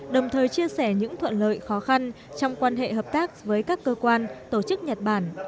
đồng thời chia sẻ những thuận lợi khó khăn trong quan hệ hợp tác với các cơ quan tổ chức nhật bản